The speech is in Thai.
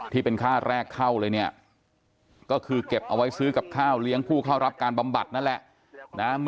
ที่เป็นค่าแรกเข้าเลยเนี่ยก็คือเก็บเอาไว้ซื้อกับข้าวเลี้ยงผู้เข้ารับการบำบัดนั่นแหละ